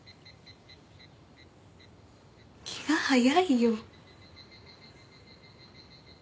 気が早いよ。